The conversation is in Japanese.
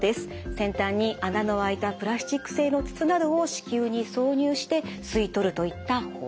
先端に穴の開いたプラスチック製の筒などを子宮に挿入して吸い取るといった方法。